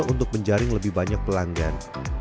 dan juga untuk menggaring lebih banyak pelanggan